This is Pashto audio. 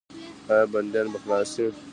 آیا بندیان به خلاص شي؟